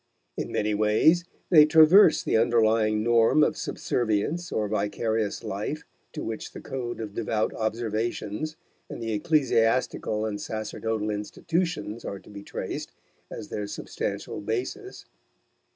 In many ways they traverse the underlying norm of subservience or vicarious life to which the code of devout observations and the ecclesiastical and sacerdotal institutions are to be traced as their substantial basis.